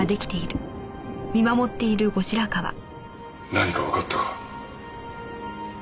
何かわかったか？